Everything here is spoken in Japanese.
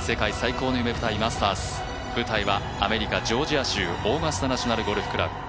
世界最高の夢舞台・マスターズ、舞台はアメリカ・ジョージア州オーガスタ・ナショナル・ゴルフクラブ。